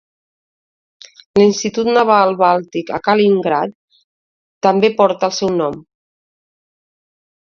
L'Institut Naval Bàltic a Kaliningrad també porta el seu nom.